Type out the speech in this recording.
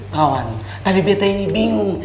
kawan tadi beta ini bingung